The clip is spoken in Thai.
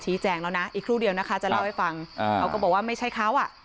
แจงแล้วนะอีกครู่เดียวนะคะจะเล่าให้ฟังเขาก็บอกว่าไม่ใช่เขาอ่ะ